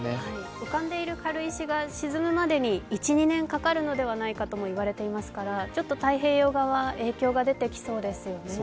浮かんでいる軽石が沈むまでに１２年かかるのではないかとも言われていますからちょっと太平洋側、影響が出てきそうですよね。